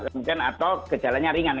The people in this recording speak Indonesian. mungkin atau gejalanya ringan